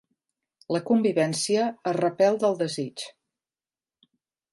La convivència a repèl del desig!